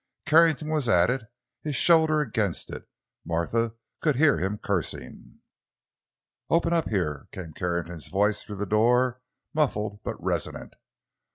Carrington was at it, his shoulder against it; Martha could hear him cursing. "Open up, here!" came Carrington's voice through the door, muffled, but resonant.